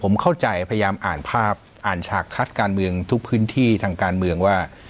ผมเข้าใจพยายามอ่านภาพอ่านฉากคัดการเมืองทุกพื้นที่ทางการเมืองว่า